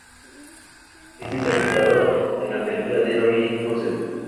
Es interpretado en la película por Dominic Purcell.